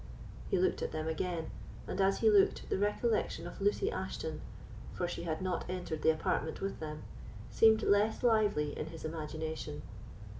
he looked at them again, and, as he looked, the recollection of Lucy Ashton, for she had not entered the apartment with them, seemed less lively in his imagination.